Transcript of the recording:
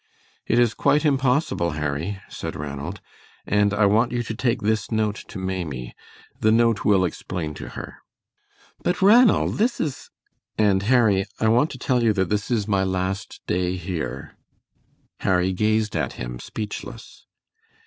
"It is quite impossible, Harry," said Ranald, "and I want you to take this note to Maimie. The note will explain to her." "But, Ranald, this is " "And, Harry, I want to tell you that this is my last day here." Harry gazed at him speechless. "Mr.